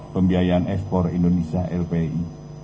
pembiayaan ekspor indonesia lpi